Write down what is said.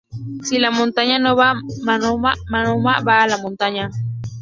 Si la montaña no va a Mahoma, Mahoma va a la montaña